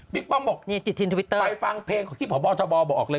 ป้อมบอกนี่จิตทินทวิตเตอร์ไปฟังเพลงของที่พบทบบอกเลย